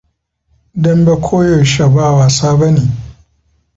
Dambe koyaushe ba wasa bane.